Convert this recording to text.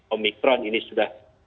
omikron ini sudah